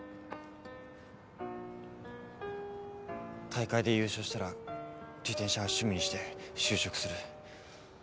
大会で優勝したら自転車は趣味にして就職する。